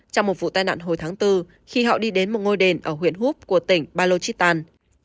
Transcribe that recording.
trong một vụ tai nạn hồi tháng bốn khi họ đi đến một ngôi đền ở huyện hốp của tỉnh balochittan